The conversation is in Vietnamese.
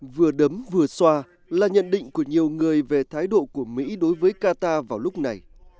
vừa đấm vừa xoa là nhận định của nhiều người về thái độ của mỹ đối với qatar vào lúc này